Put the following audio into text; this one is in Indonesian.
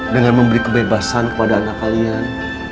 dengan memberi kebebasan kepada anak kalian